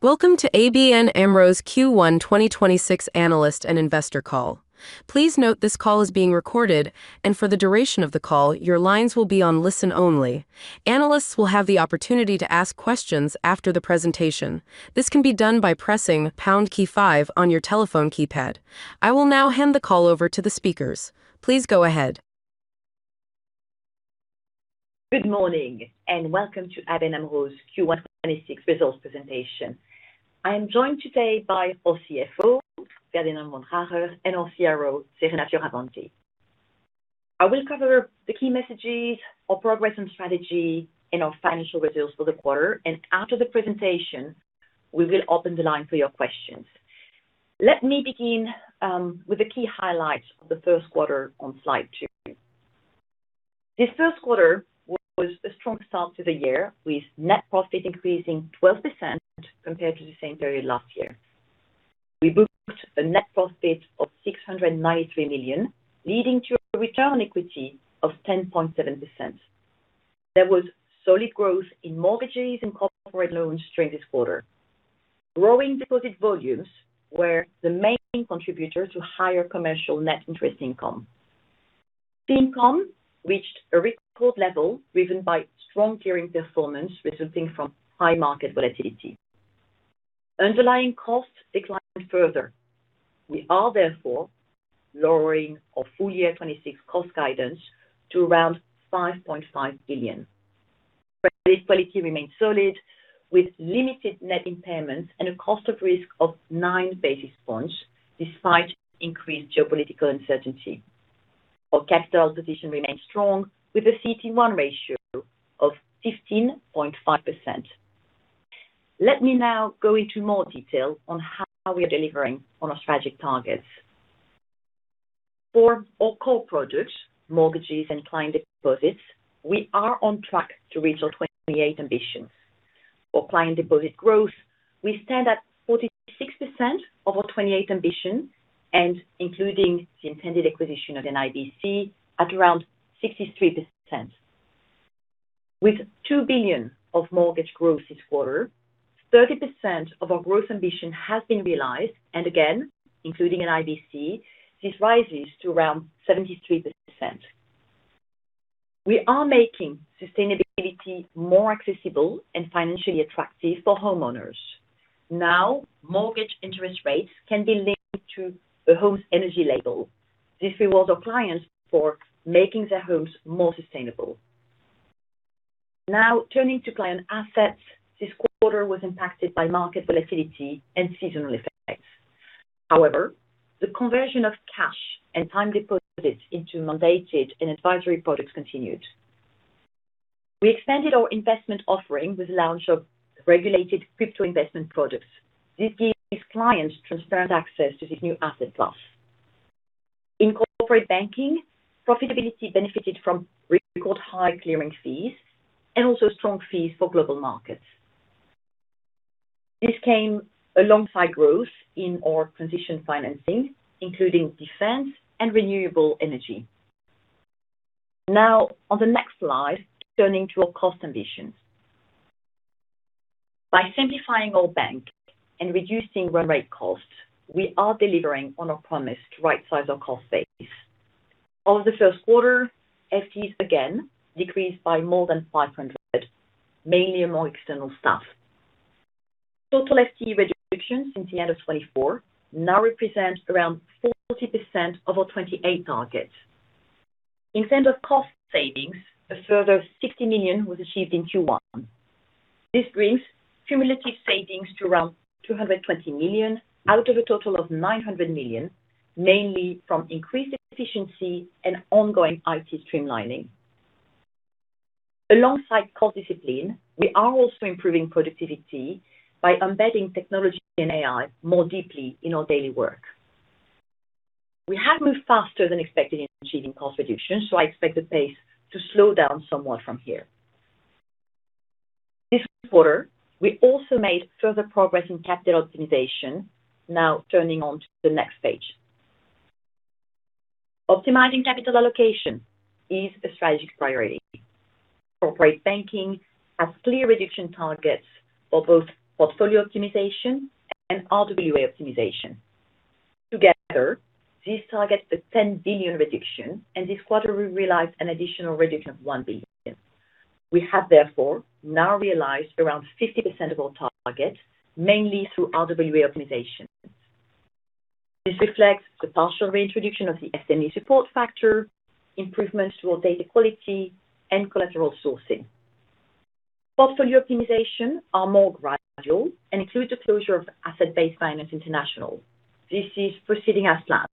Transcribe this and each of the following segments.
Welcome to ABN AMRO's Q1 2026 analyst and investor call. Please note this call is being recorded, and for the duration of the call, your lines will be on listen only. Analysts will have the opportunity to ask questions after the presentation. This can be done by pressing pound key five on your telephone keypad. I will now hand the call over to the speakers. Please go ahead. Good morning and welcome to ABN AMRO's Q1 2026 results presentation. I am joined today by our CFO, Ferdinand Vaandrager, and our CRO, Serena Fioravanti. I will cover the key messages, our progress and strategy, and our financial results for the quarter. After the presentation, we will open the line for your questions. Let me begin with the key highlights of the Q1 on slide two. This Q1 was a strong start to the year, with net profit increasing 12% compared to the same period last year. We booked a net profit of 693 million, leading to a return on equity of 10.7%. There was solid growth in mortgages and corporate loans during this quarter. Growing deposit volumes were the main contributor to higher commercial net interest income. Fee income reached a record level, driven by strong clearing performance resulting from high market volatility. Underlying costs declined further. We are therefore lowering our full year 2026 cost guidance to around 5.5 billion. Credit quality remains solid, with limited net impairments and a cost of risk of 9 basis points despite increased geopolitical uncertainty. Our capital position remains strong with a CET1 ratio of 15.5%. Let me now go into more detail on how we are delivering on our strategic targets. For our core products, mortgages and client deposits, we are on track to reach our 2028 ambitions. For client deposit growth, we stand at 46% of our 2028 ambition and including the intended acquisition of NIBC at around 63%. With 2 billion of mortgage growth this quarter, 30% of our growth ambition has been realized. Again, including NIBC, this rises to around 73%. We are making sustainability more accessible and financially attractive for homeowners. Mortgage interest rates can be linked to a home's energy label. This rewards our clients for making their homes more sustainable. Turning to client assets, this quarter was impacted by market volatility and seasonal effects. However, the conversion of cash and time deposits into mandated and advisory products continued. We expanded our investment offering with the launch of regulated crypto investment products. This gives clients transparent access to this new asset class. In corporate banking, profitability benefited from record high clearing fees and also strong fees for global markets. This came alongside growth in our transition financing, including defense and renewable energy. On the next slide, turning to our cost ambitions. By simplifying our bank and reducing run rate costs, we are delivering on our promise to rightsize our cost base. Over the Q1, FTEs again decreased by more than 500, mainly among external staff. Total FTE reduction since the end of 2024 now represents around 40% of our 28 target. In terms of cost savings, a further 60 million was achieved in Q1. This brings cumulative savings to around 220 million out of a total of 900 million, mainly from increased efficiency and ongoing IT streamlining. Alongside cost discipline, we are also improving productivity by embedding technology and AI more deeply in our daily work. We have moved faster than expected in achieving cost reduction, so I expect the pace to slow down somewhat from here. This quarter, we also made further progress in capital optimization. Now turning on to the next page. Optimizing capital allocation is a strategic priority. Corporate Banking has clear reduction targets for both portfolio optimization and RWA optimization. Together, these target a 10 billion reduction, and this quarter we realized an additional reduction of 1 billion. We have therefore now realized around 50% of our target, mainly through RWA optimization. This reflects the partial reintroduction of the SME support factor, improvements to our data quality, and collateral sourcing. Portfolio optimization are more gradual and include the closure of Asset-Based Finance International. This is proceeding as planned.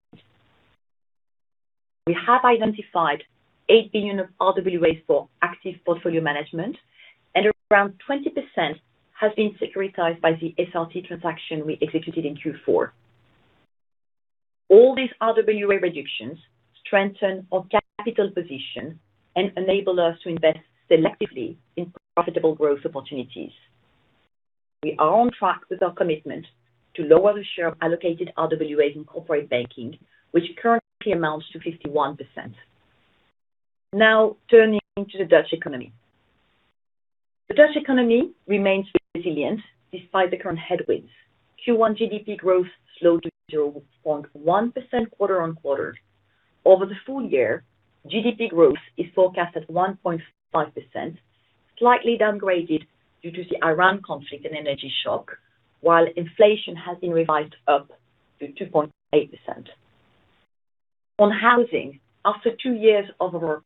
We have identified 8 billion of RWAs for active portfolio management and around 20% has been securitized by the SRT transaction we executed in Q4. All these RWA reductions strengthen our capital position and enable us to invest selectively in profitable growth opportunities. We are on track with our commitment to lower the share of allocated RWAs in corporate banking, which currently amounts to 51%. Turning to the Dutch economy. The Dutch economy remains resilient despite the current headwinds. Q1 GDP growth slowed to 0.1% quarter-on-quarter. Over the full year, GDP growth is forecasted 1.5%, slightly downgraded due to the Iran conflict and energy shock, while inflation has been revised up to 2.8%. On housing, after two years over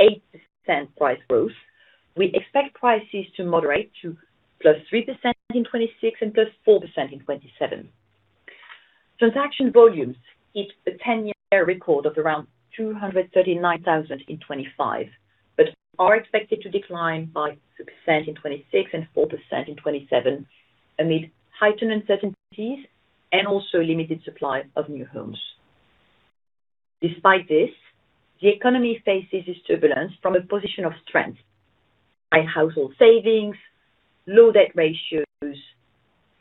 8% price growth, we expect prices to moderate to +3% in 2026 and +4% in 2027. Transaction volumes hit a 10-year record of around 239,000 in 2025, are expected to decline by 6% in 2026 and 4% in 2027 amid heightened uncertainties and also limited supply of new homes. Despite this, the economy faces this turbulence from a position of strength. High household savings, low debt ratios,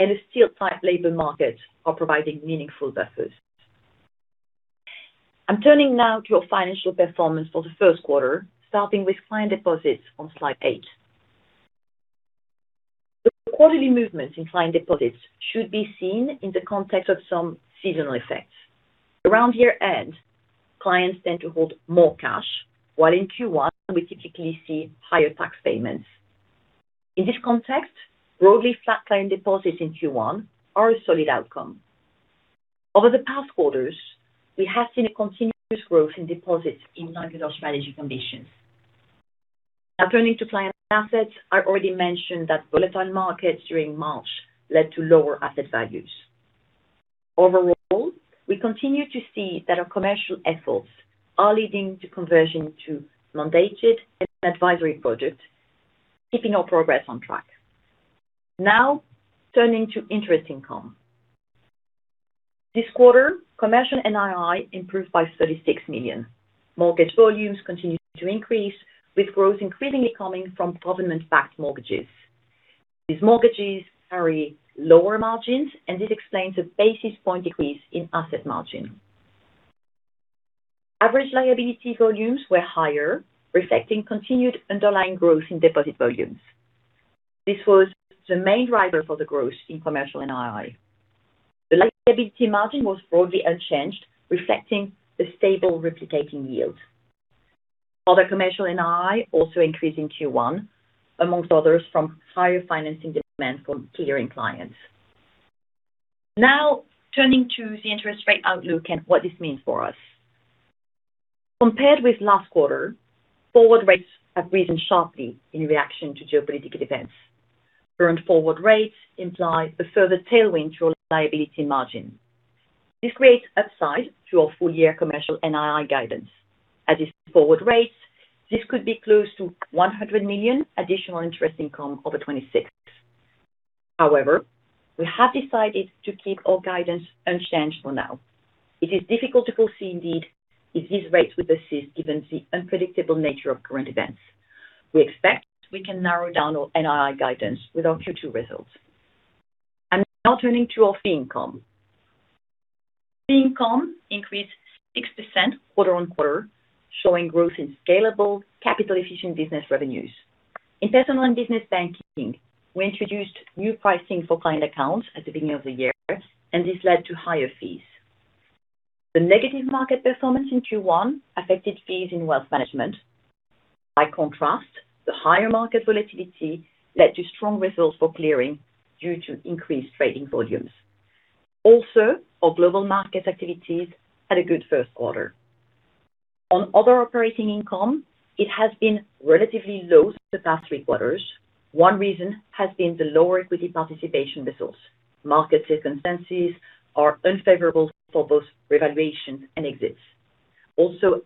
and a still tight labor market are providing meaningful buffers. I'm turning now to our financial performance for the Q1, starting with client deposits on slide eight. The quarterly movements in client deposits should be seen in the context of some seasonal effects. Around year-end, clients tend to hold more cash, while in Q1, we typically see higher tax payments. In this context, broadly flat client deposits in Q1 are a solid outcome. Over the past quarters, we have seen a continuous growth in deposits in non-global strategy conditions. Now turning to client assets, I already mentioned that volatile markets during March led to lower asset values. Overall, we continue to see that our commercial efforts are leading to conversion to mandated and advisory product, keeping our progress on track. Now turning to interest income. This quarter, commercial NII improved by 36 million. Mortgage volumes continued to increase, with growth increasingly coming from government-backed mortgages. These mortgages carry lower margins, and this explains a one basis point decrease in asset margin. Average liability volumes were higher, reflecting continued underlying growth in deposit volumes. This was the main driver for the growth in commercial NII. The liability margin was broadly unchanged, reflecting the stable replicating yield. Other commercial NII also increased in Q1, amongst others from higher financing demand from clearing clients. Now turning to the interest rate outlook and what this means for us. Compared with last quarter, forward rates have risen sharply in reaction to geopolitical events. Current forward rates imply a further tailwind to our liability margin. This creates upside to our full-year commercial NII guidance. At these forward rates, this could be close to 100 million additional interest income over 2026. However, we have decided to keep our guidance unchanged for now. It is difficult to foresee indeed if these rates will persist, given the unpredictable nature of current events. We expect we can narrow down our NII guidance with our Q2 results. I'm now turning to our fee income. Fee income increased 6% quarter-on-quarter, showing growth in scalable capital-efficient business revenues. In personal and business banking, we introduced new pricing for client accounts at the beginning of the year, and this led to higher fees. The negative market performance in Q1 affected fees in wealth management. By contrast, the higher market volatility led to strong results for clearing due to increased trading volumes. Also, our global market activities had a good Q1. On other operating income, it has been relatively low for the past three quarters. One reason has been the lower equity participation results. Market circumstances are unfavorable for both revaluation and exits. Also,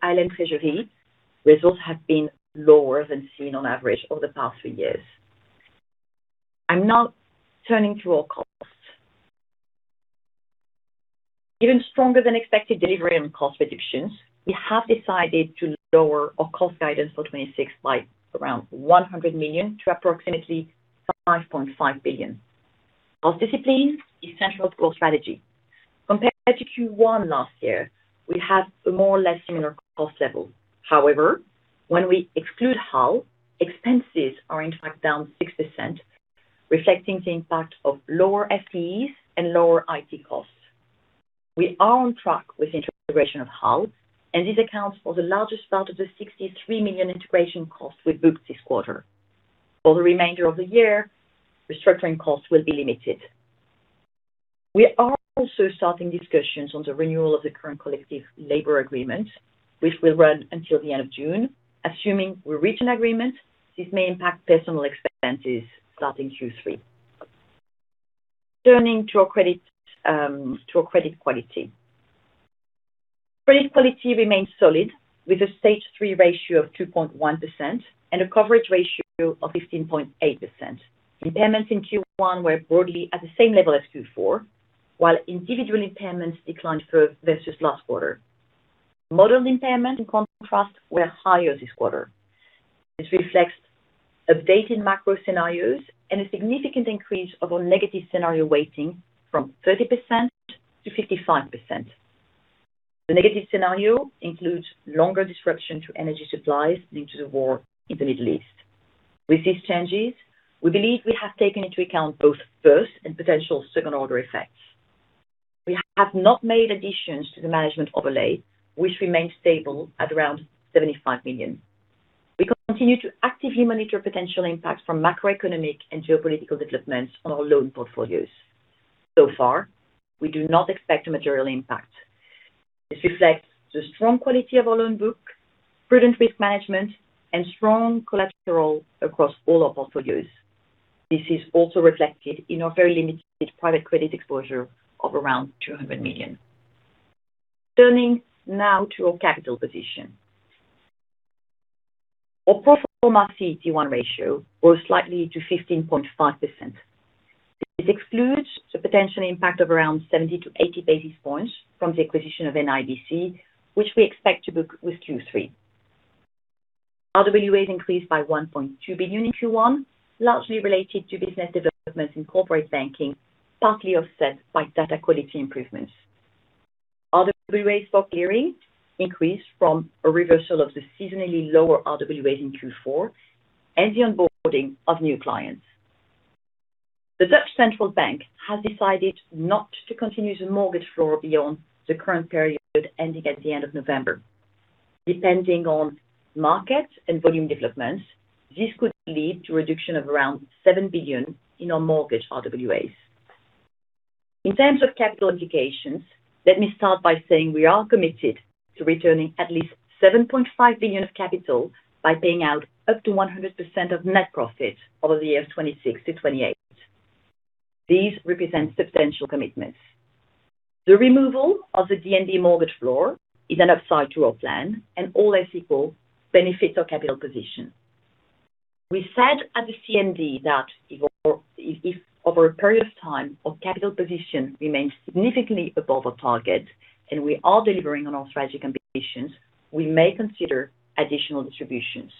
This reflects updated macro scenarios and a significant increase of our negative scenario weighting from 30%-55%. The negative scenario includes longer disruption to energy supplies due to the war in the Middle East. With these changes, we believe we have taken into account both first and potential second-order effects. We have not made additions to the management overlay, which remains stable at around 75 million. We continue to actively monitor potential impacts from macroeconomic and geopolitical developments on our loan portfolios. We do not expect a material impact. This reflects the strong quality of our loan book, prudent risk management, and strong collateral across all our portfolios. This is also reflected in our very limited private credit exposure of around 200 million. Turning now to our capital position. Our proforma CET1 ratio rose slightly to 15.5%. This excludes the potential impact of around 70-80 basis points from the acquisition of NIBC, which we expect to book with Q3. RWAs increased by 1.2 billion in Q1, largely related to business developments in corporate banking, partly offset by data quality improvements. RWAs for clearing increased from a reversal of the seasonally lower RWAs in Q4 and the onboarding of new clients. The Dutch Central Bank has decided not to continue the mortgage floor beyond the current period ending at the end of November. Depending on market and volume developments, this could lead to a reduction of around 7 billion in our mortgage RWAs. In terms of capital implications, let me start by saying we are committed to returning at least 7.5 billion of capital by paying out up to 100% of net profit over the years 2026-2028. These represent substantial commitments. The removal of the DNB mortgage floor is an upside to our plan and all else equal benefits our capital position. We said at the CMD that if over a period of time our capital position remains significantly above our target and we are delivering on our strategic ambitions, we may consider additional distributions.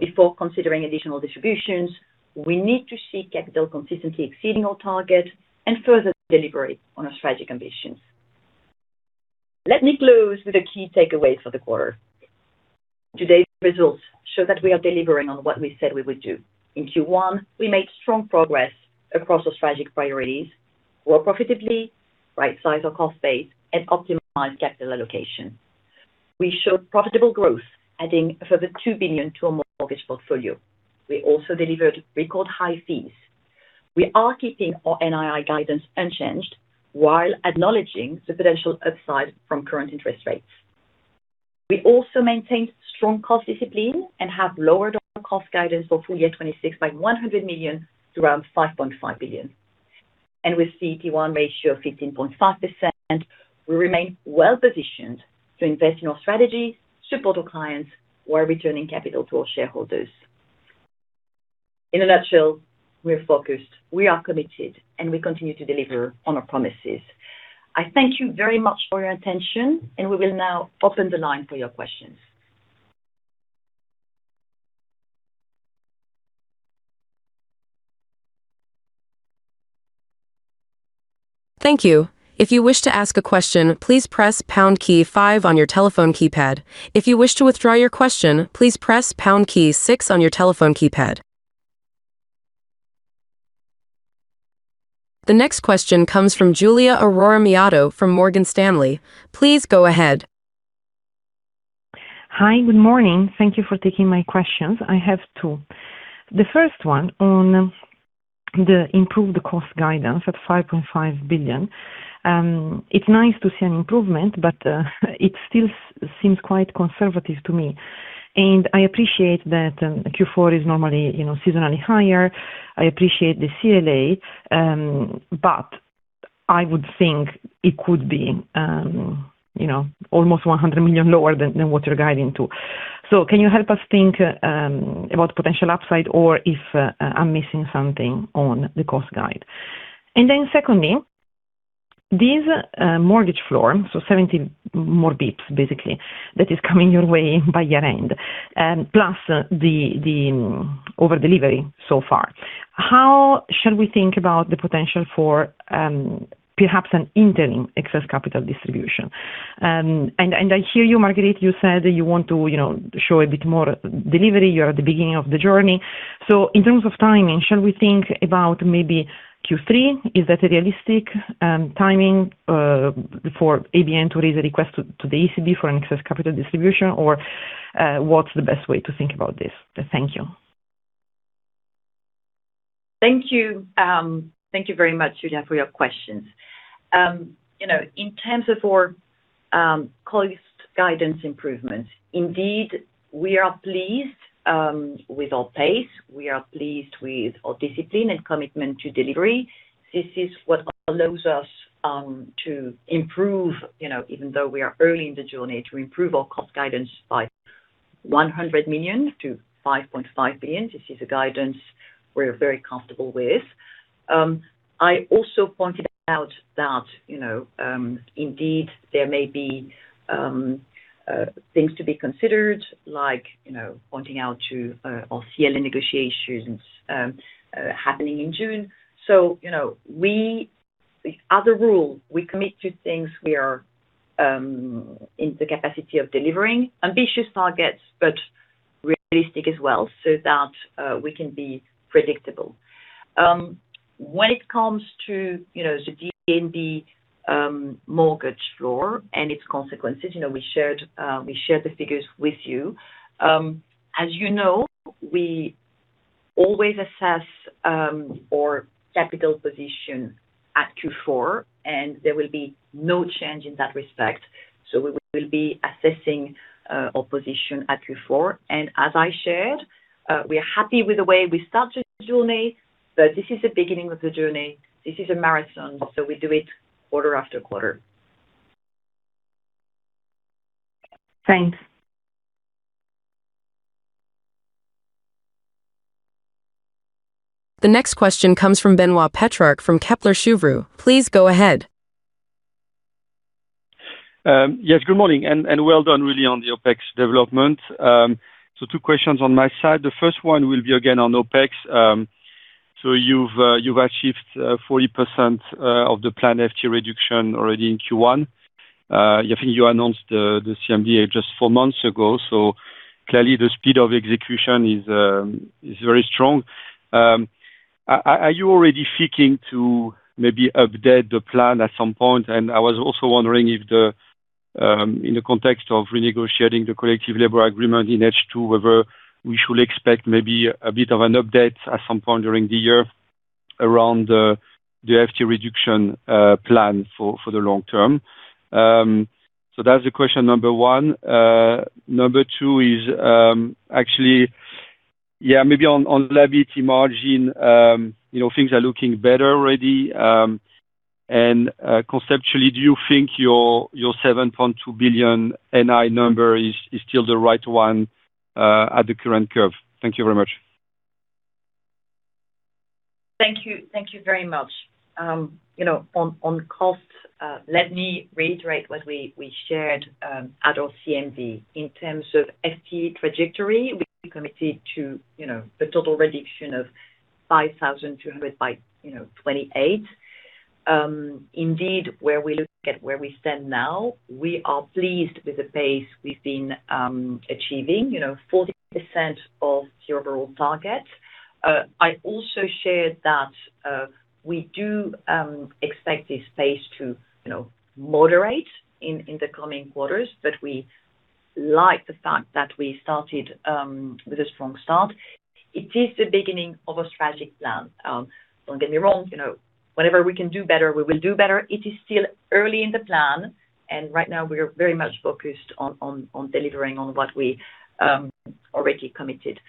Before considering additional distributions, we need to see capital consistently exceeding our target and further deliberate on our strategic ambitions. Let me close with the key takeaways for the quarter. Today's results show that we are delivering on what we said we would do. In Q1, we made strong progress across our strategic priorities, grow profitably, right-size our cost base, and optimize capital allocation. We showed profitable growth, adding a further 2 billion to our mortgage portfolio. We also delivered record-high fees. We are keeping our NII guidance unchanged while acknowledging the potential upside from current interest rates. We also maintained strong cost discipline and have lowered our cost guidance for FY 2026 by 100 million-5.5 billion. With CET1 ratio of 15.5%, we remain well-positioned to invest in our strategy, support our clients while returning capital to our shareholders. In a nutshell, we're focused, we are committed, and we continue to deliver on our promises. I thank you very much for your attention. We will now open the line for your questions. Thank you. The next question comes from Giulia Aurora Miotto from Morgan Stanley. Please go ahead. Hi. Good morning. Thank you for taking my questions. I have two. The first one on the improved cost guidance at 5.5 billion. It's nice to see an improvement, it still seems quite conservative to me. I appreciate that Q4 is normally, you know, seasonally higher. I appreciate the CLA, I would think it could be, you know, almost 100 million lower than what you're guiding to. Can you help us think about potential upside or if I'm missing something on the cost guide? Secondly, this mortgage floor, 70 more basis points, basically, that is coming your way by year-end, plus the over-delivery so far. How should we think about the potential for perhaps an interim excess capital distribution? I hear you, Marguerite, you said you want to, you know, show a bit more delivery. You're at the beginning of the journey. In terms of timing, should we think about maybe Q3? Is that a realistic timing for ABN to raise a request to the ECB for an excess capital distribution? What's the best way to think about this? Thank you. Thank you. Thank you very much, Giulia, for your questions. You know, in terms of our cost guidance improvement, indeed, we are pleased with our pace. We are pleased with our discipline and commitment to delivery. This is what allows us to improve, you know, even though we are early in the journey, to improve our cost guidance by 100 million-5.5 billion. This is a guidance we're very comfortable with. I also pointed out that, you know, indeed there may be things to be considered, like, you know, pointing out to our CLA negotiations happening in June. You know, we as a rule, we commit to things we are in the capacity of delivering ambitious targets, but realistic as well, so that we can be predictable. When it comes to, you know, the DNB mortgage floor and its consequences, you know, we shared the figures with you. As you know, we always assess our capital position at Q4, and there will be no change in that respect. We will be assessing our position at Q4. As I shared, we are happy with the way we start the journey, but this is the beginning of the journey. This is a marathon, so we do it quarter after quarter. Thanks. The next question comes from Benoit Pétrarque from Kepler Cheuvreux. Please go ahead. Yes, good morning and well done really on the OpEx development. Two questions on my side. The first one will be again on OpEx. You've achieved 40% of the planned FTE reduction already in Q1. I think you announced the CMD just four months ago, clearly the speed of execution is very strong. Are you already seeking to maybe update the plan at some point? I was also wondering if, in the context of renegotiating the Collective Labor Agreement in H2, whether we should expect maybe a bit of an update at some point during the year around the FTE reduction plan for the long term. That's the question number one. Number two is, actually, yeah, maybe on liability margin, you know, things are looking better already. Conceptually, do you think your 7.2 billion NII number is still the right one at the current curve? Thank you very much. Thank you. Thank you very much. You know, on cost, let me reiterate what we shared at our CMD. In terms of FTE trajectory, we committed to, you know, a total reduction of 5,200 by, you know, 2028. Indeed, where we stand now, we are pleased with the pace we've been achieving. You know, 40% of the overall target. I also shared that we do expect this pace to, you know, moderate in the coming quarters, but we like the fact that we started with a strong start. It is the beginning of a strategic plan. Don't get me wrong. You know, whatever we can do better, we will do better. It is still early in the plan, and right now we are very much focused on delivering on what we already committed.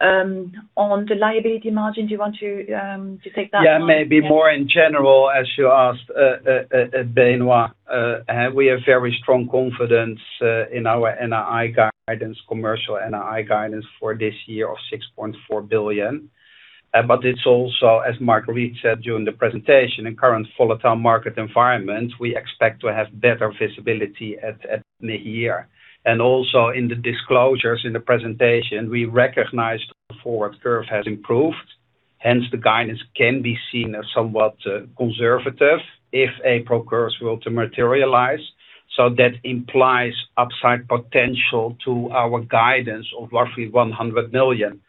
On the liability margin, do you want to take that one? Yeah, maybe more in general, as you asked, Benoit, we have very strong confidence in our NII guidance, commercial NII guidance for this year of 6.4 billion. It's also, as Marguerite said during the presentation, in current volatile market environment, we expect to have better visibility at mid-year. In the disclosures in the presentation, we recognized the forward curve has improved, hence the guidance can be seen as somewhat conservative if a pro forma will to materialize. That implies upside potential to our guidance of roughly 100 million.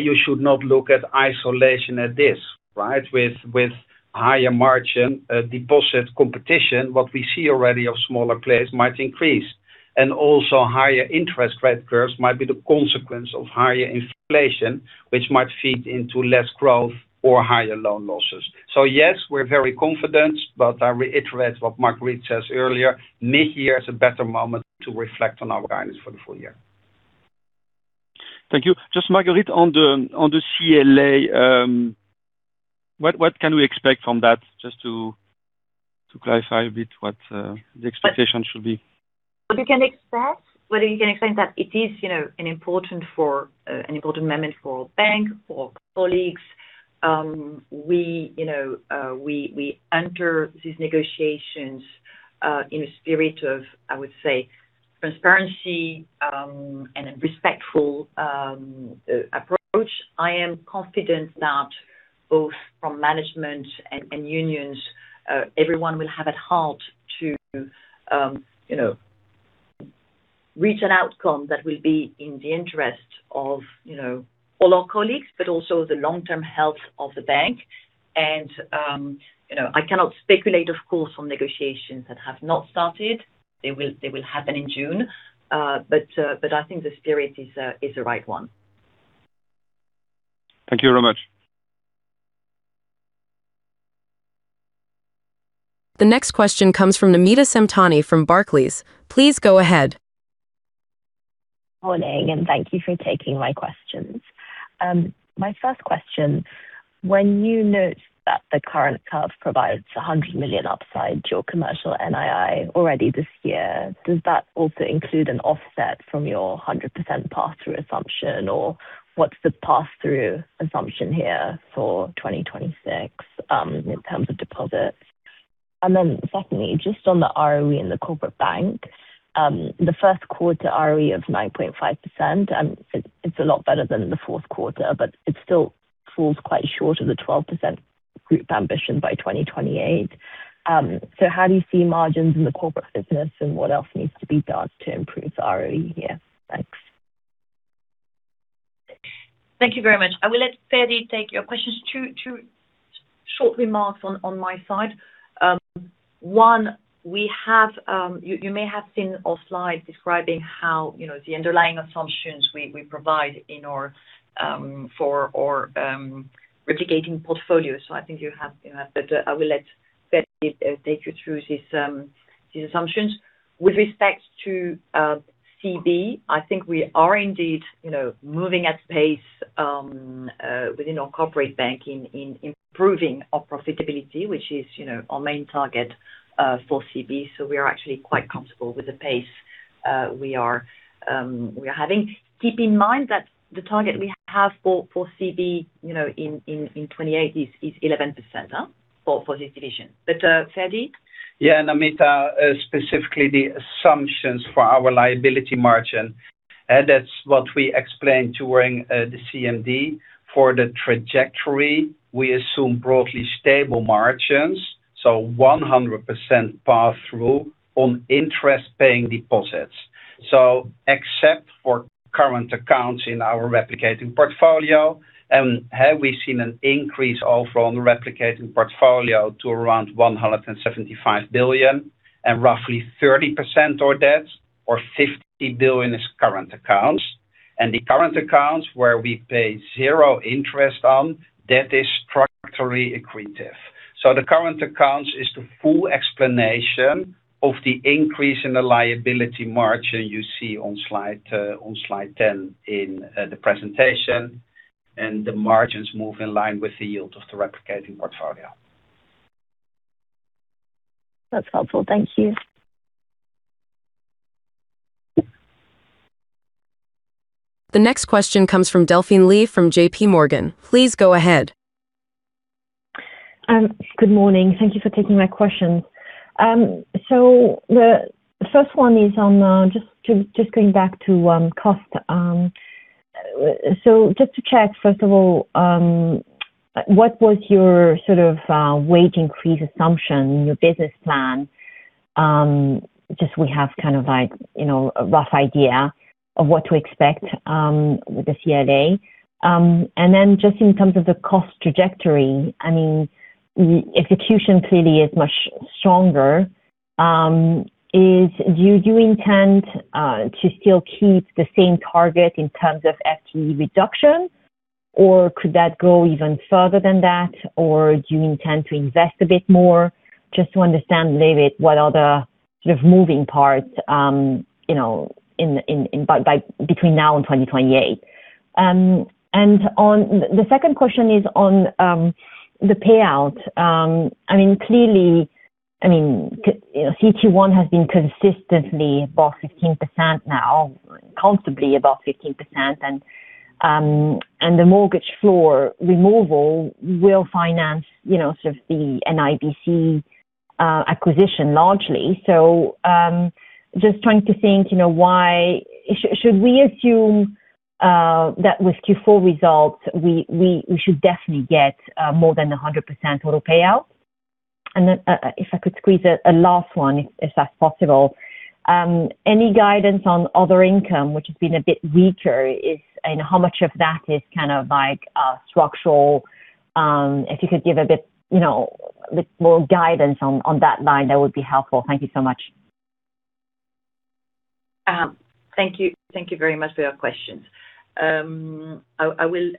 You should not look at isolation at this, right? With higher margin, deposit competition, what we see already of smaller players might increase. Also higher interest rate curves might be the consequence of higher inflation, which might feed into less growth or higher loan losses. Yes, we're very confident, but I reiterate what Marguerite said earlier, mid-year is a better moment to reflect on our guidance for the full year. Thank you. Just Marguerite, on the CLA, what can we expect from that? Just to clarify a bit what the expectation should be. What we can expect, what you can expect that it is an important moment for bank, for colleagues. We enter these negotiations in a spirit of, I would say, transparency and a respectful approach. I am confident that both from management and unions, everyone will have at heart to reach an outcome that will be in the interest of all our colleagues, but also the long-term health of the bank. I cannot speculate, of course, on negotiations that have not started. They will happen in June. I think the spirit is the right one. Thank you very much. The next question comes from Namita Samtani from Barclays. Please go ahead. Morning, thank you for taking my questions. My first question. When you note that the current curve provides 100 million upside to your commercial NII already this year, does that also include an offset from your 100% pass-through assumption? What's the pass-through assumption here for 2026 in terms of deposits? Secondly, just on the ROE in the corporate bank, the Q1 ROE of 9.5% it's a lot better than the Q4, but it still falls quite short of the 12% group ambition by 2028. How do you see margins in the corporate business, and what else needs to be done to improve the ROE here? Thanks. Thank you very much. I will let Ferdi take your questions. Two short remarks on my side. One, we have You may have seen our slide describing how, you know, the underlying assumptions we provide in our for our replicating portfolio. I think you have. I will let Ferdi take you through these assumptions. With respect to CB, I think we are indeed, you know, moving at pace within our corporate bank in improving our profitability, which is, you know, our main target for CB. We are actually quite comfortable with the pace we are having. Keep in mind that the target we have for CB, you know, in 2028 is 11%, huh? For this division. Ferdi? Namita, specifically the assumptions for our liability margin, and that's what we explained during the CMD. For the trajectory, we assume broadly stable margins, so 100% pass-through on interest-paying deposits. Except for current accounts in our replicating portfolio, have we seen an increase of replicating portfolio to around 175 billion, and roughly 30% of that or 50 billion is current accounts. The current accounts where we pay zero interest on, that is structurally accretive. The current accounts is the full explanation of the increase in the liability margin you see on slide 10 in the presentation, and the margins move in line with the yield of the replicating portfolio. That's helpful. Thank you. The next question comes from Delphine Lee from J.P. Morgan. Please go ahead. Good morning. Thank you for taking my questions. The first one is on just going back to cost. Just to check, first of all, what was your sort of wage increase assumption in your business plan? Just we have kind of like, you know, a rough idea of what to expect with the CLA. Just in terms of the cost trajectory, I mean, execution clearly is much stronger. Do you intend to still keep the same target in terms of FTE reduction, or could that go even further than that? Do you intend to invest a bit more? Just to understand a little bit what are the sort of moving parts, you know, between now and 2028. On The second question is on the payout. I mean, clearly, I mean, CET1 has been consistently above 15% now, comfortably above 15%. The mortgage floor removal will finance, you know, sort of the NIBC acquisition largely. Just trying to think, you know, why should we assume that with Q4 results, we should definitely get more than a 100% total payout? If I could squeeze a last one, if that's possible. Any guidance on other income, which has been a bit weaker, And how much of that is kind of like structural? If you could give a bit, you know, more guidance on that line, that would be helpful. Thank you so much. Thank you. Thank you very much for your questions. I will,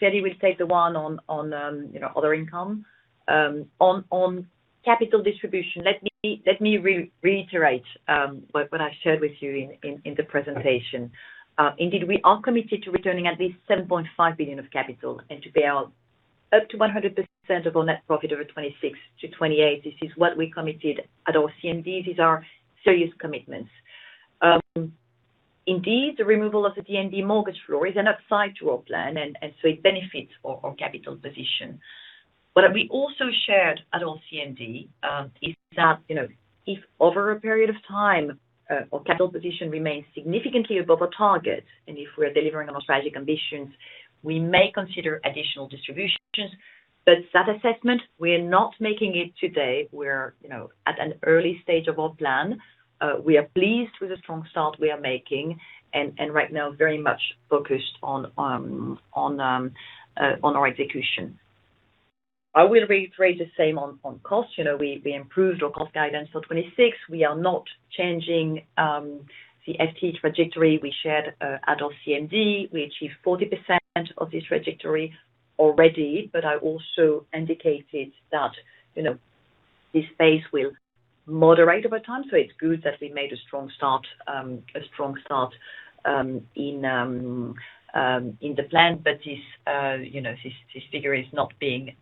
Ferdi will take the one on, you know, other income. On, on capital distribution, let me reiterate what I shared with you in the presentation. Indeed, we are committed to returning at least 7.5 billion of capital and to pay out up to 100% of our net profit over 2026-2028. This is what we committed at our CMD. These are serious commitments. Indeed, the removal of the DNB mortgage floor is an upside to our plan and so it benefits our capital position. What we also shared at our CMD, you know, is that if over a period of time, our capital position remains significantly above our targets, and if we're delivering on our strategic ambitions, we may consider additional distributions. That assessment, we're not making it today. We're, you know, at an early stage of our plan. We are pleased with the strong start we are making and right now very much focused on our execution. I will reiterate the same on cost. You know, we improved our cost guidance till 2026. We are not changing the FTE trajectory we shared at our CMD. We achieved 40% of this trajectory already, but I also indicated that, you know, this space will moderate over time, so it's good that we made a strong start in the plan. But this, you know, this figure is not being, you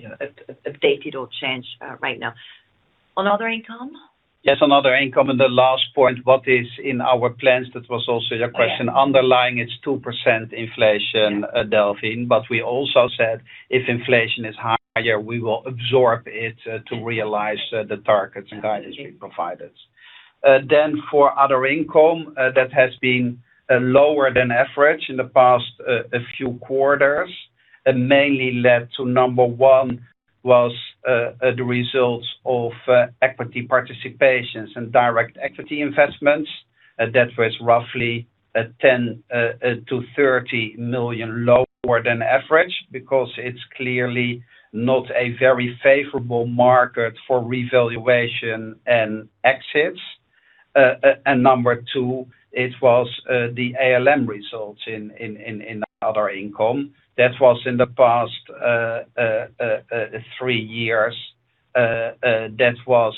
know, updated or changed right now. On other income? Yes, on other income, the last point, what is in our plans, that was also your question. Oh, yeah. Underlying, it's 2% inflation- Yeah Delphine. We also said if inflation is higher, we will absorb it, to realize- Yeah The targets and guidance we provided. For other income, that has been lower than average in the past, a few quarters, and mainly led to number one was the results of equity participations and direct equity investments. That was roughly 10 million-30 million lower than average because it's clearly not a very favorable market for revaluation and exits. Number two, it was the ALM results in other income. That was in the past three years. That was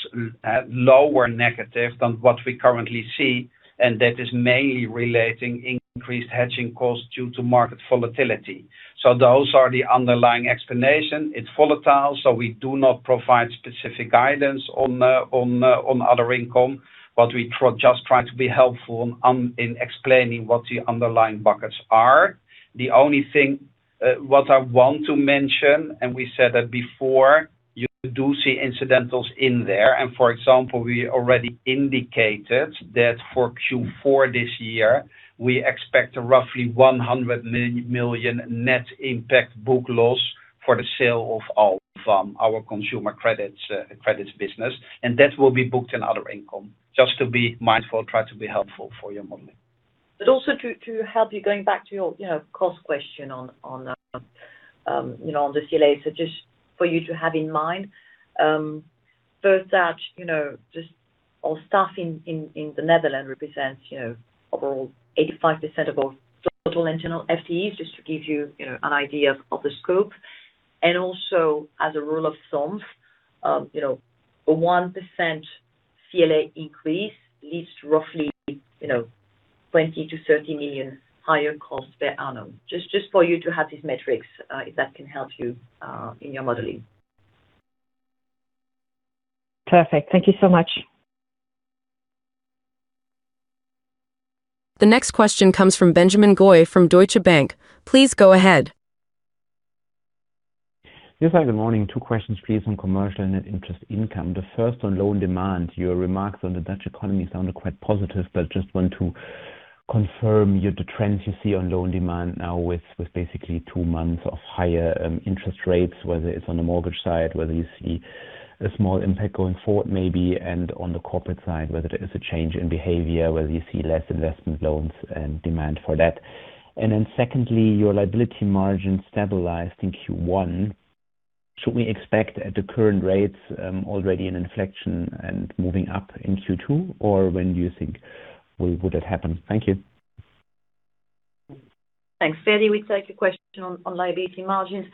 lower negative than what we currently see, and that is mainly relating increased hedging costs due to market volatility. Those are the underlying explanation. It's volatile, so we do not provide specific guidance on other income, but we just try to be helpful in explaining what the underlying buckets are. The only thing what I want to mention, we said that before, you do see incidentals in there. For example, we already indicated that for Q4 this year, we expect roughly 100 million net impact book loss for the sale of our consumer credits business, and that will be booked in other income. Just to be mindful, try to be helpful for your modeling. Also to help you, going back to your, you know, cost question on, you know, on the CLA. Just for you to have in mind, first that, you know, just our staff in the Netherlands represents, you know, overall 85% of our total internal FTEs, just to give you know, an idea of the scope. Also, as a rule of thumb, you know, a 1% CLA increase leads to roughly, you know, 20 million-30 million higher cost per annum. Just for you to have these metrics, if that can help you in your modeling. Perfect. Thank you so much. The next question comes from Benjamin Goy from Deutsche Bank. Please go ahead. Yes, hi, good morning. Two questions please on commercial net interest income. The first on loan demand. Your remarks on the Dutch economy sounded quite positive, just want to confirm the trends you see on loan demand now with basically two months of higher interest rates, whether it's on the mortgage side, whether you see a small impact going forward maybe, and on the corporate side, whether there is a change in behavior, whether you see less investment loans and demand for that. Secondly, your liability margin stabilized in Q1. Should we expect at the current rates already an inflection and moving up in Q2? When do you think would it happen? Thank you. Thanks. Ferdi will take your question on liability margins.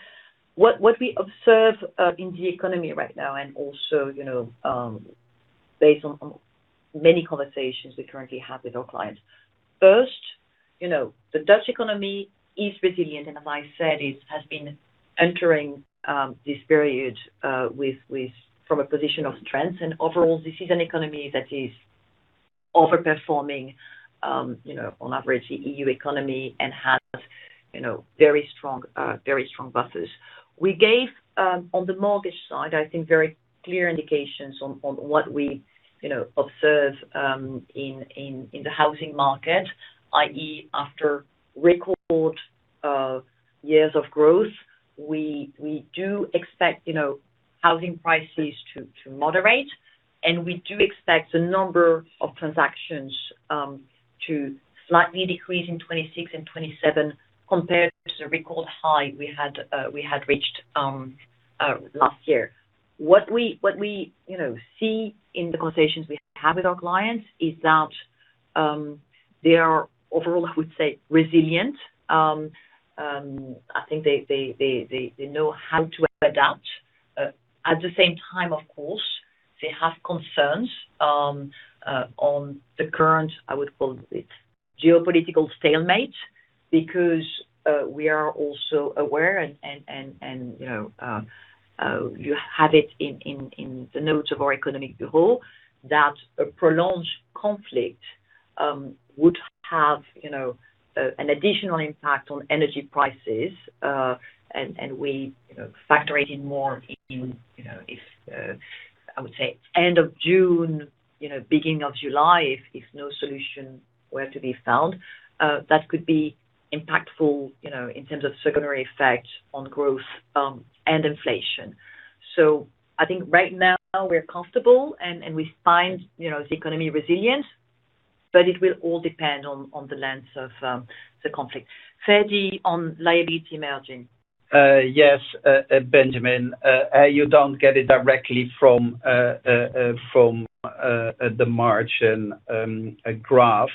What we observe in the economy right now and also, you know, based on many conversations we currently have with our clients. First, you know, the Dutch economy is resilient, and as I said, it has been entering this period with from a position of strength. Overall, this is an economy that is over-performing, you know, on average the EU economy and has, you know, very strong buffers. We gave on the mortgage side, I think, very clear indications on what we, you know, observe in the housing market, i.e., after record years of growth, we do expect, you know, housing prices to moderate, and we do expect the number of transactions to slightly decrease in 2026 and 2027 compared to the record high we had reached last year. What we, you know, see in the conversations we have with our clients is that they are overall, I would say, resilient. I think they know how to adapt. At the same time of course, they have concerns on the current, I would call it, geopolitical stalemate because we are also aware and, you know, you have it in the notes of our economic bureau that a prolonged conflict would have, you know, an additional impact on energy prices. And we, you know, factor it in more in, you know, if, I would say end of June, you know, beginning of July if no solution were to be found, that could be impactful, you know, in terms of secondary effect on growth and inflation. I think right now we're comfortable and we find, you know, the economy resilient, but it will all depend on the length of the conflict. Ferdi, on liability margin. Yes, Benjamin. You don't get it directly from the margin graph.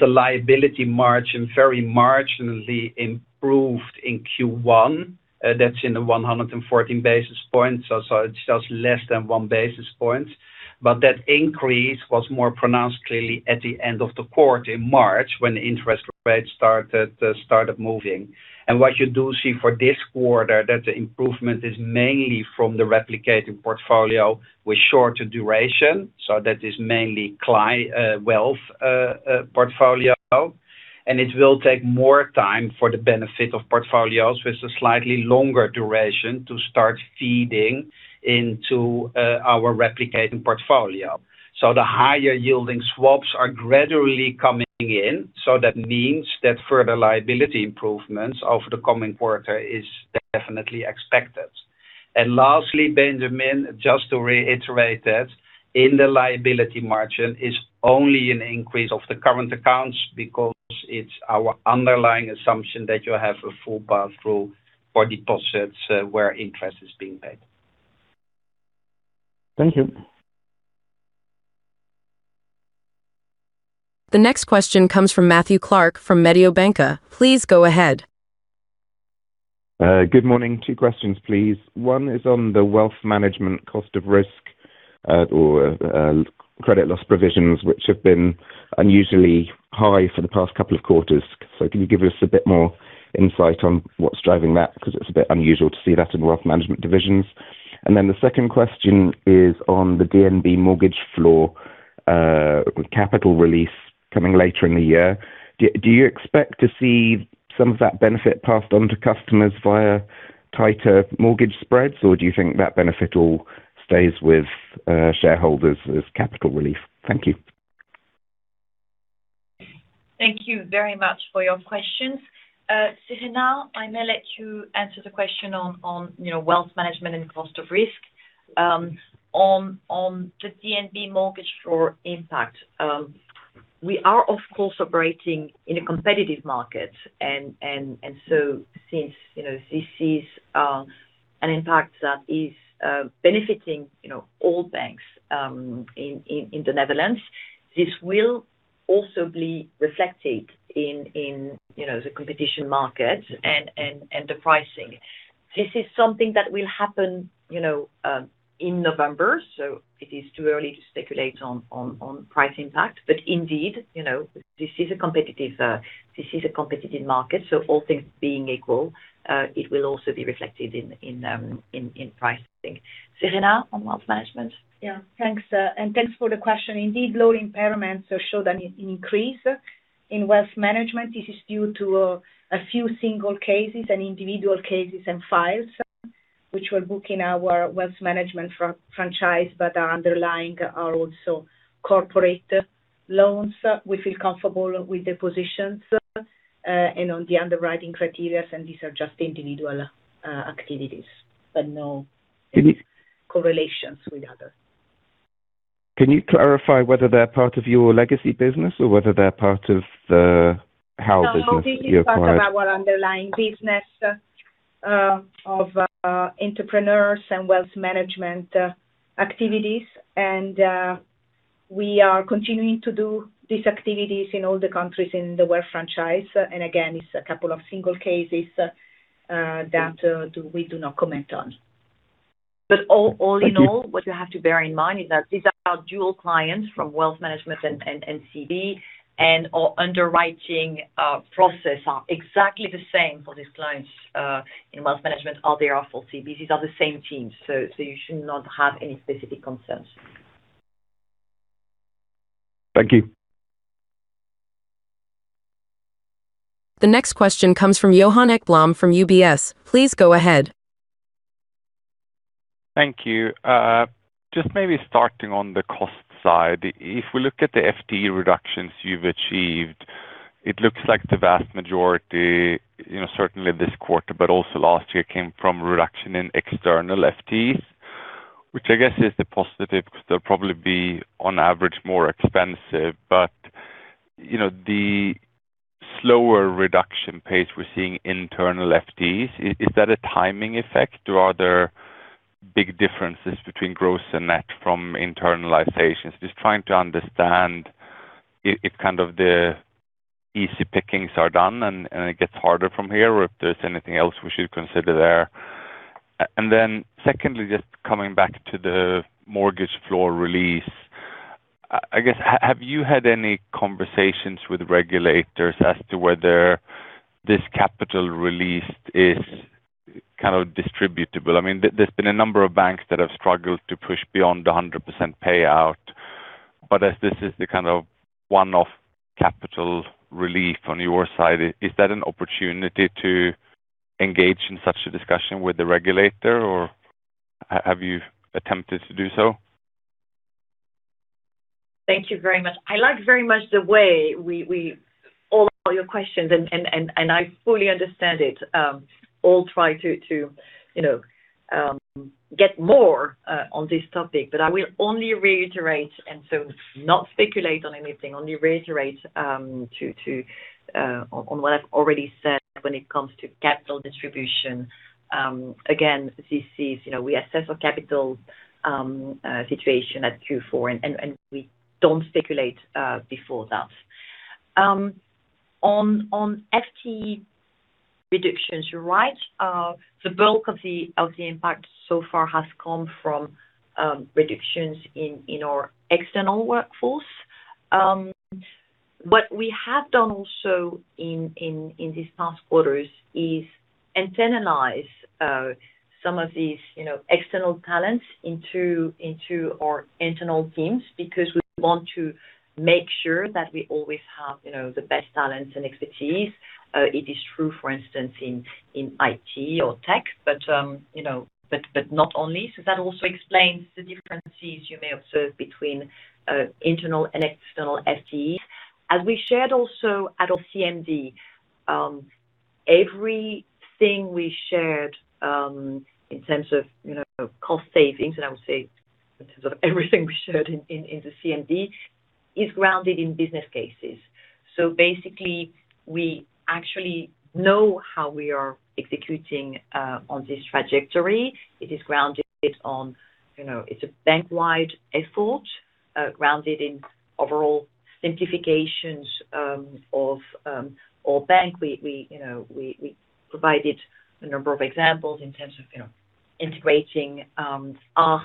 The liability margin very marginally improved in Q1. That's in the 114 basis points, so it's just less than one basis point. That increase was more pronounced clearly at the end of the quarter in March when interest rates started moving. What you do see for this quarter, that the improvement is mainly from the replicating portfolio with shorter duration. That is mainly wealth portfolio. It will take more time for the benefit of portfolios with a slightly longer duration to start feeding into our replicating portfolio. The higher yielding swaps are gradually coming in. That means that further liability improvements over the coming quarter is definitely expected. Lastly, Benjamin, just to reiterate that in the liability margin is only an increase of the current accounts because it's our underlying assumption that you have a full pass-through for deposits, where interest is being paid. Thank you. The next question comes from Matthew Clark from Mediobanca. Please go ahead. Good morning. Two questions, please. One is on the Wealth Management cost of risk, or credit loss provisions, which have been unusually high for the past two quarters. Can you give us a bit more insight on what's driving that? Because it's a bit unusual to see that in Wealth Management divisions. The second question is on the DNB mortgage floor, capital release coming later in the year. Do you expect to see some of that benefit passed on to customers via tighter mortgage spreads, or do you think that benefit all stays with shareholders as capital relief? Thank you. Thank you very much for your questions. Serena, I may let you answer the question on, you know, wealth management and cost of risk. On the DNB mortgage floor impact, we are, of course, operating in a competitive market and so since, you know, this is, an impact that is, benefiting, you know, all banks, in the Netherlands, this will also be reflected in, you know, the competition market and the pricing. This is something that will happen, you know, in November, so it is too early to speculate on price impact. Indeed, you know, this is a competitive market, so all things being equal, it will also be reflected in pricing. Serena, on wealth management. Yeah. Thanks, and thanks for the question. Indeed, loan impairments have showed an increase in wealth management. This is due to a few single cases and individual cases and files, which we're booking our wealth management franchise but are underlying are also corporate loans. We feel comfortable with the positions and on the underwriting criteria, and these are just individual activities, but no correlations with others. Can you clarify whether they're part of your legacy business or whether they're part of the HAL business you acquired? No, this is part of our underlying business, of entrepreneurs and wealth management, activities. We are continuing to do these activities in all the countries in the wealth franchise. Again, it's a couple of single cases, that we do not comment on. All in all, what you have to bear in mind is that these are dual clients from wealth management and CB, and our underwriting process are exactly the same for these clients in wealth management or they are for CB. These are the same teams. You should not have any specific concerns. Thank you. The next question comes from Johan Ekblom from UBS. Please go ahead. Thank you. Just maybe starting on the cost side. If we look at the FTE reductions you've achieved, it looks like the vast majority, you know, certainly this quarter, but also last year, came from reduction in external FTEs, which I guess is a positive because they'll probably be, on average, more expensive. You know, the slower reduction pace we're seeing internal FTEs, is that a timing effect or are there big differences between gross and net from internalizations? Just trying to understand if kind of the easy pickings are done and it gets harder from here or if there's anything else we should consider there. Secondly, just coming back to the mortgage floor release. I guess, have you had any conversations with regulators as to whether this capital released is kind of distributable? I mean, there's been a number of banks that have struggled to push beyond the 100% payout. As this is the kind of one-off capital relief on your side, is that an opportunity to engage in such a discussion with the regulator, or have you attempted to do so? Thank you very much. I like very much the way we all your questions and I fully understand it. I'll try to, you know, get more on this topic. I will only reiterate, not speculate on anything, only reiterate, on what I've already said when it comes to capital distribution. Again, this is, you know, we assess our capital situation at Q4 and we don't speculate before that. On FTE reductions, you're right. The bulk of the impact so far has come from reductions in our external workforce. What we have done also in these past quarters is internalize some of these, you know, external talents into our internal teams because we want to make sure that we always have, you know, the best talents and expertise. It is true, for instance, in IT or tech, but, you know, not only. That also explains the differences you may observe between internal and external FTEs. As we shared also at our CMD, everything we shared in terms of, you know, cost savings, and I would say in terms of everything we shared in the CMD, is grounded in business cases. Basically, we actually know how we are executing on this trajectory. It is grounded on, you know, it's a bank-wide effort, grounded in overall simplifications of our bank. We, you know, we provided a number of examples in terms of, you know, integrating ABF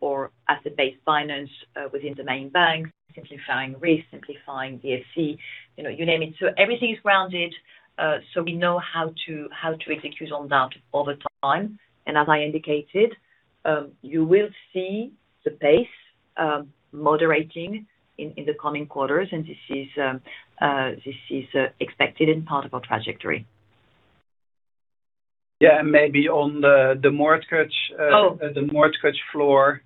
or Asset Based Finance within the main bank, simplifying risk, simplifying DFC, you know, you name it. Everything is grounded, so we know how to execute on that over time. As I indicated, you will see the pace moderating in the coming quarters, and this is expected and part of our trajectory. Yeah. maybe on the mortgage. Oh. The mortgage floor,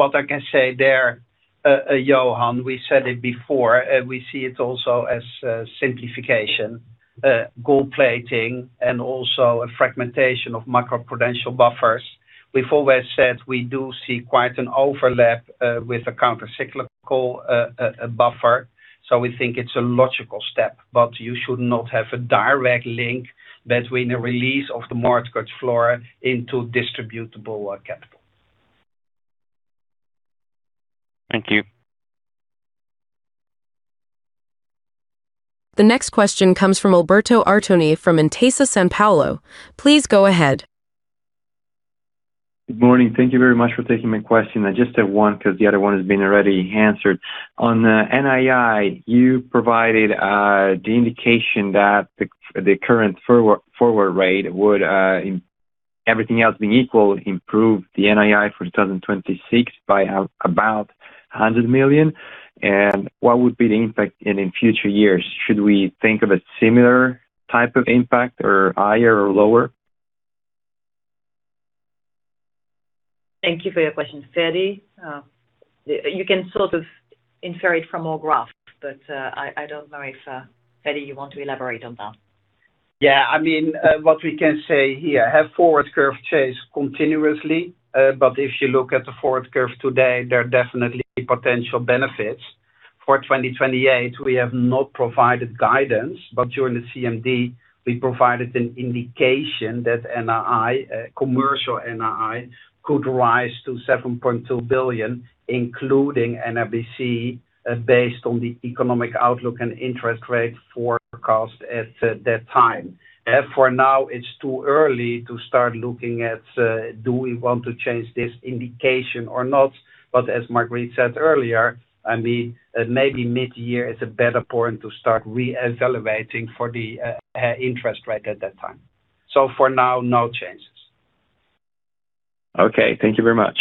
what I can say there, Johan, we said it before, and we see it also as simplification, gold plating, and also a fragmentation of macroprudential buffers. We've always said we do see quite an overlap with the countercyclical buffer. We think it's a logical step, but you should not have a direct link between the release of the mortgage floor into distributable capital. Thank you. The next question comes from Alberto Artoni from Intesa Sanpaolo. Please go ahead. Good morning. Thank you very much for taking my question. I just have one 'cause the other one has been already answered. On NII, you provided the indication that the current forward rate would, everything else being equal, improve the NII for 2026 by about 100 million. What would be the impact in future years? Should we think of a similar type of impact or higher or lower? Thank you for your question. Ferdi, you can sort of infer it from our graph, but I don't know if Ferdi, you want to elaborate on that. Yeah. I mean, what we can say here, have forward curve changed continuously. If you look at the forward curve today, there are definitely potential benefits. For 2028, we have not provided guidance, during the CMD, we provided an indication that NII, commercial NII could rise to 7.2 billion, including NIBC, based on the economic outlook and interest rate forecast at that time. For now, it's too early to start looking at, do we want to change this indication or not? As Marguerite said earlier, I mean, maybe mid-year is a better point to start re-evaluating for the interest rate at that time. For now, no changes. Okay. Thank you very much.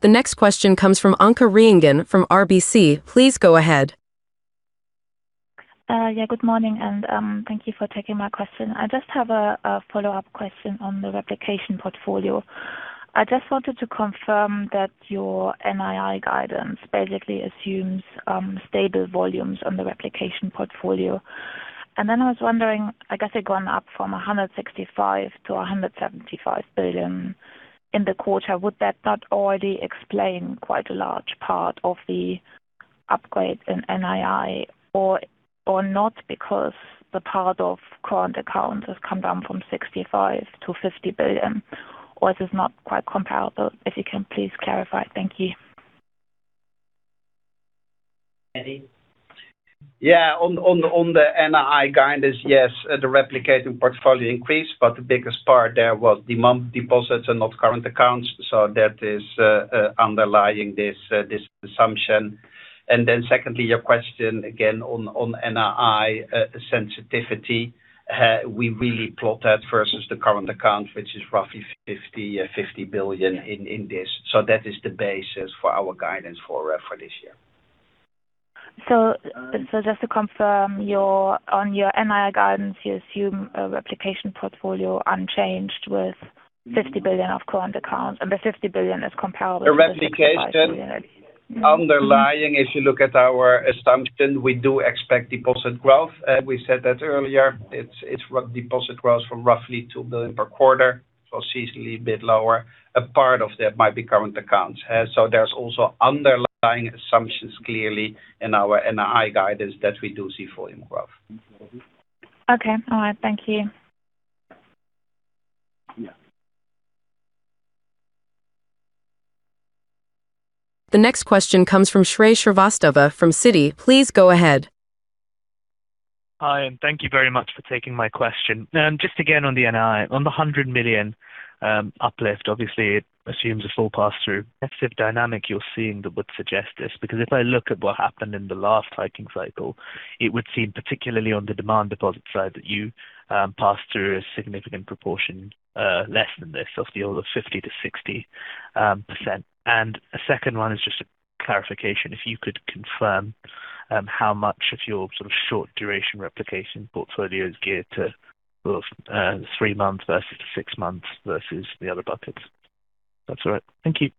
The next question comes from Anke Reingen from RBC. Please go ahead. Yeah, good morning, thank you for taking my question. I just have a follow-up question on the replication portfolio. I just wanted to confirm that your NII guidance basically assumes stable volumes on the replication portfolio. I was wondering, I guess it had gone up from 165 billion-175 billion in the quarter. Would that not already explain quite a large part of the upgrade in NII or not because the part of current accounts has come down from 65 billion-50 billion? Is this not quite comparable? If you can please clarify. Thank you. Ferdi? On the NII guidance, yes, the replicating portfolio increased, but the biggest part there was demand deposits and not current accounts. That is underlying this assumption. Secondly, your question again on NII sensitivity. We really plot that versus the current account, which is roughly 50 billion in this. That is the basis for our guidance for this year. Just to confirm on your NII guidance, you assume a replicating portfolio unchanged with 50 billion of current accounts, and the 50 billion is comparable to the 65 billion? Underlying, if you look at our assumption, we do expect deposit growth. We said that earlier. It's deposit growth from roughly 2 billion per quarter, so seasonally a bit lower. ABF part of that might be current accounts. There's also underlying assumptions clearly in our NII guidance that we do see volume growth. Okay. All right, thank you. Yeah. The next question comes from Shrey Srivastava from Citi. Please go ahead. Hi, thank you very much for taking my question. Just again on the NII. On the 100 million uplift, obviously, it assumes a full pass-through. That's the dynamic you're seeing that would suggest this. Because if I look at what happened in the last hiking cycle, it would seem particularly on the demand deposit side that you pass through a significant proportion less than this, of the order of 50%-60%. A second one is just a clarification. If you could confirm how much of your short duration replicating portfolio is geared to three months versus six months versus the other buckets. If that's all right. Thank you.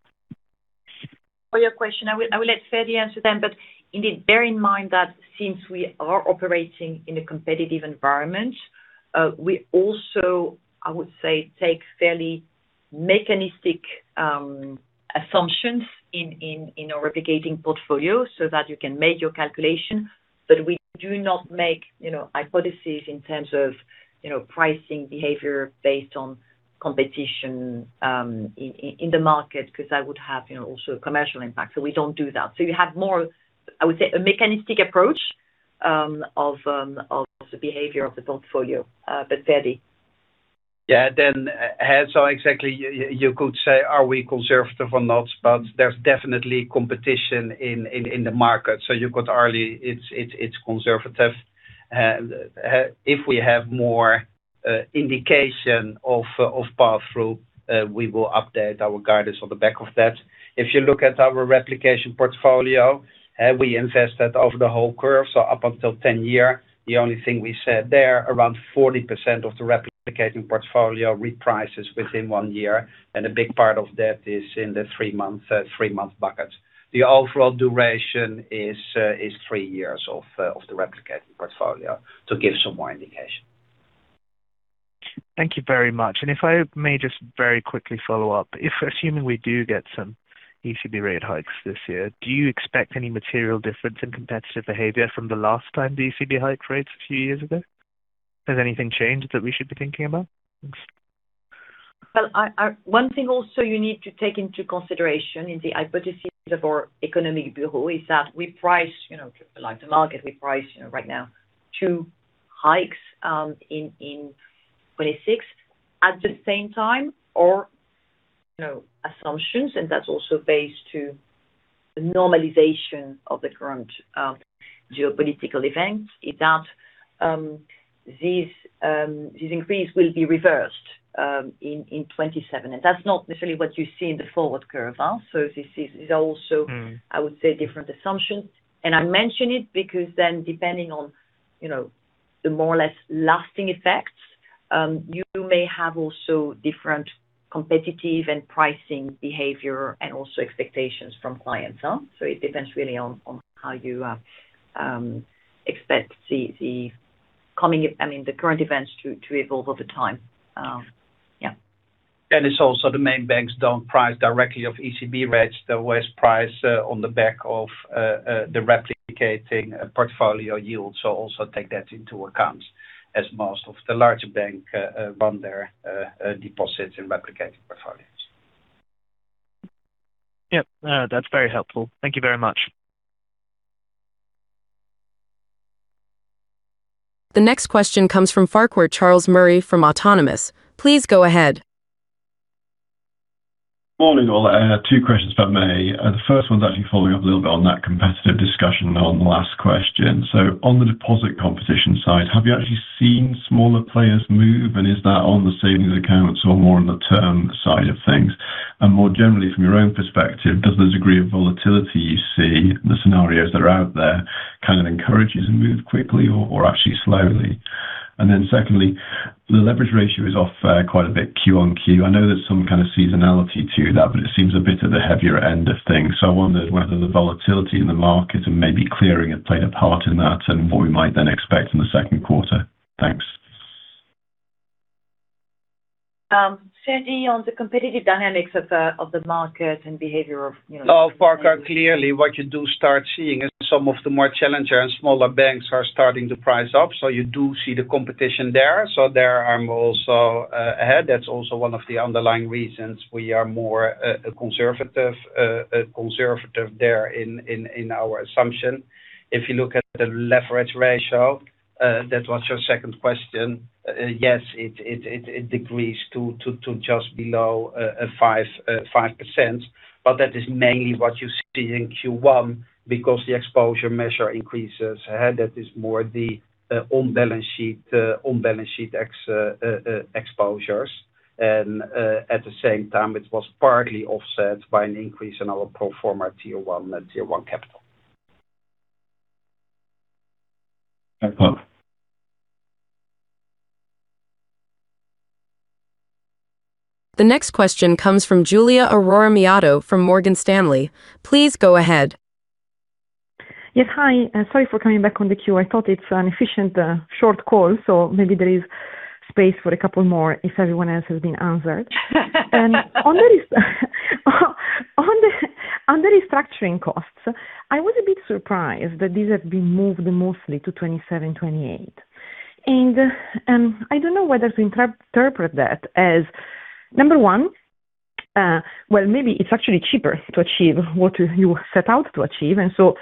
For your question, I will let Ferdi answer them. Indeed, bear in mind that since we are operating in a competitive environment, we also, I would say, take fairly mechanistic assumptions in our replicating portfolio so that you can make your calculation. We do not make, you know, hypotheses in terms of, you know, pricing behavior based on competition in the market, because that would have, you know, also a commercial impact. We don't do that. We have more, I would say, a mechanistic approach of the behavior of the portfolio. Ferdi. Yeah. Exactly, you could say, are we conservative or not? There's definitely competition in the market. You could argue it's conservative. If we have more indication of pass-through, we will update our guidance on the back of that. If you look at our replicating portfolio, we invested over the whole curve, up until 10 year. The only thing we said there, around 40% of the replicating portfolio reprices within one year, and a big part of that is in the three-month bucket. The overall duration is three years of the replicating portfolio to give some more indication. Thank you very much. If I may just very quickly follow up. If assuming we do get some ECB rate hikes this year, do you expect any material difference in competitive behavior from the last time the ECB hiked rates a few years ago? Has anything changed that we should be thinking about? Thanks. One thing also you need to take into consideration in the hypothesis of our economic bureau is that we price, you know, like the market, we price, you know, right now two hikes in 2026. At the same time, our, you know, assumptions, and that's also based to the normalization of the current geopolitical event, is that this increase will be reversed in 2027. That's not necessarily what you see in the forward curve. I would say different assumptions. I mention it because then depending on, you know, the more or less lasting effects, you may have also different competitive and pricing behavior and also expectations from clients on. It depends really on how you expect the current events to evolve over time. Yeah. It's also the main banks don't price directly of ECB rates. They always price on the back of the replicating portfolio yield. Also take that into account as most of the larger bank run their deposits in replicating portfolios. Yep. That's very helpful. Thank you very much. The next question comes from Farquhar Charles Murray from Autonomous. Please go ahead. Morning, all. I have two questions if I may. The 1st one's actually following up a little bit on that competitive discussion on the last question. On the deposit competition side, have you actually seen smaller players move, and is that on the savings accounts or more on the term side of things? More generally, from your own perspective, does the degree of volatility you see, the scenarios that are out there, kind of encourage you to move quickly or actually slowly? Secondly, the leverage ratio is off quite a bit Q on Q. I know there's some kind of seasonality to that, but it seems a bit of the heavier end of things. I wondered whether the volatility in the market and maybe clearing had played a part in that and what we might then expect in the second quarter. Thanks. Ferdi, on the competitive dynamics of the market and behavior of, you know. Farquhar, clearly, what you do start seeing is some of the more challenger and smaller banks are starting to price up. You do see the competition there. There I'm also ahead. That's also one of the underlying reasons we are more conservative there in our assumption. If you look at the leverage ratio, that was your second question, yes, it decreased to just below 5%, but that is mainly what you see in Q1 because the exposure measure increases. That is more the on-balance sheet exposures. At the same time, it was partly offset by an increase in our pro forma Tier 1 capital. Okay, cool. The next question comes from Giulia Aurora Miotto from Morgan Stanley. Please go ahead. Yes. Hi, sorry for coming back on the queue. I thought it's an efficient, short call, so maybe there is space for a couple more if everyone else has been answered. On the restructuring costs, I was a bit surprised that these have been moved mostly to 2027, 2028. I don't know whether to interpret that as, number one, well, maybe it's actually cheaper to achieve what you set out to achieve, and so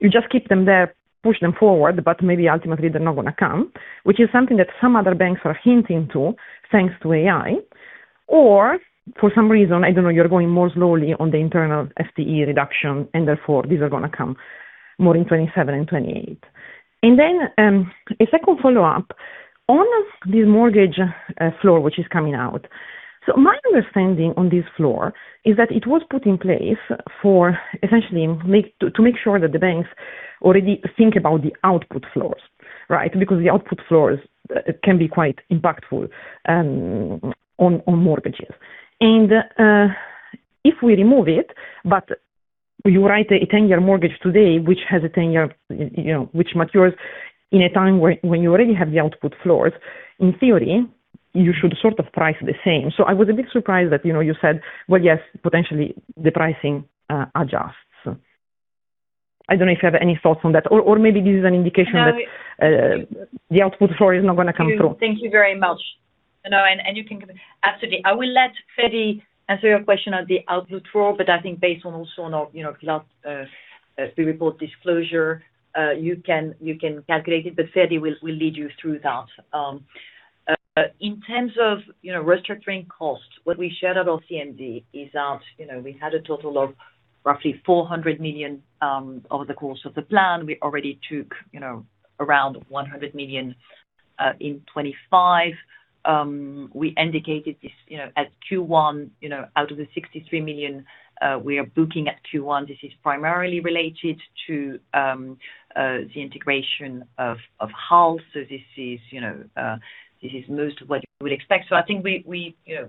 you just keep them there, push them forward, but maybe ultimately they're not gonna come, which is something that some other banks are hinting to thanks to AI, or for some reason, I don't know, you're going more slowly on the internal FTE reduction, and therefore these are gonna come more in 2027 and 2028. Then, a second follow-up on this mortgage, floor, which is coming out. My understanding on this floor is that it was put in place for essentially to make sure that the banks already think about the output floors, right? Because the output floors can be quite impactful, on mortgages. If we remove it, but you write a 10-year mortgage today, which has a 10 year, you know, which matures in a time where when you already have the output floors, in theory, you should sort of price the same. I was a bit surprised that, you know, you said, well, yes, potentially the pricing, adjusts. I don't know if you have any thoughts on that or maybe this is an indication that, the output floor is not gonna come through. Thank you. Thank you very much. No, you can Absolutely. I will let Ferdi answer your question on the output floor, but I think based on also on our, you know, last, report disclosure, you can calculate it, but Ferdi will lead you through that. In terms of, you know, restructuring costs, what we shared at our CMD is that, you know, we had a total of roughly 400 million over the course of the plan. We already took, you know, around 100 million in 2025. We indicated this, you know, at Q1, you know, out of the 63 million we are booking at Q1. This is primarily related to the integration of HAL. This is, you know, this is most of what you would expect. I think we, you know,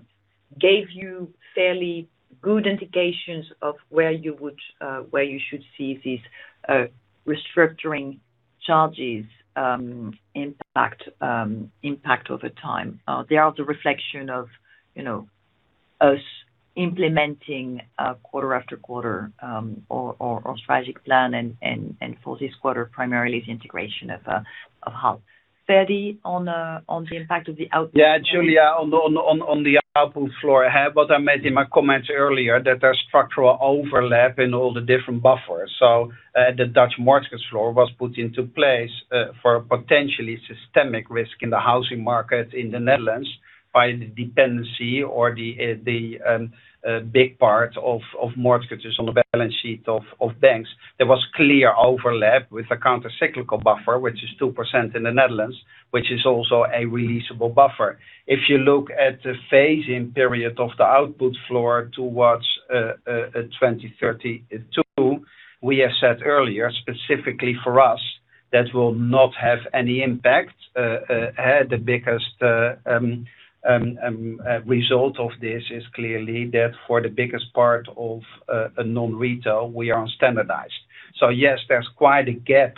gave you fairly good indications of where you would, where you should see these restructuring charges impact over time. They are the reflection of, you know, us implementing quarter after quarter our strategic plan and for this quarter, primarily the integration of HAL. Ferdi, on the impact of the output. Giulia, on the output floor, I have what I made in my comments earlier that there's structural overlap in all the different buffers. The Dutch mortgages floor was put into place for potentially systemic risk in the housing market in the Netherlands by the dependency or the big part of mortgages on the balance sheet of banks. There was clear overlap with the countercyclical buffer, which is 2% in the Netherlands, which is also a releasable buffer. If you look at the phase-in period of the output floor towards 2032, we have said earlier, specifically for us, that will not have any impact, the biggest result of this is clearly that for the biggest part of non-retail, we are on standardized. Yes, there's quite a gap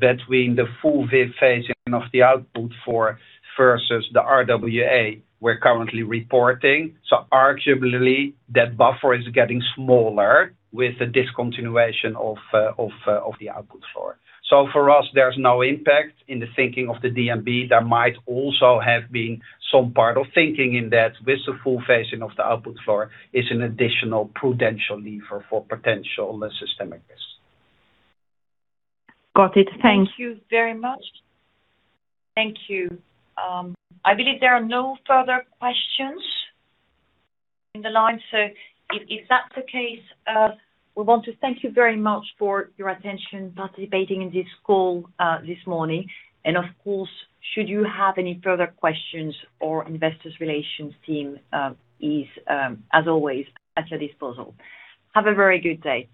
between the full phase-in of the output floor versus the RWA we're currently reporting. Arguably, that buffer is getting smaller with the discontinuation of the output floor. For us, there's no impact in the thinking of the DNB. There might also have been some part of thinking in that with the full phase-in of the output floor is an additional prudential lever for potential systemic risk. Got it. Thank you, very much. Thank you. I believe there are no further questions in the line. If that's the case, we want to thank you very much for your attention participating in this call this morning. Of course, should you have any further questions, our Investor Relations team is as always, at your disposal. Have a very good day.